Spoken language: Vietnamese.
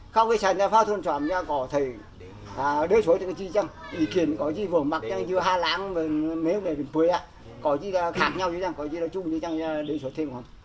các dân tộc khác nhau chứ chẳng có gì là chung chứ chẳng là đơn số thêm không ạ